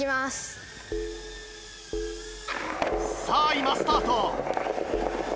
さぁ今スタート。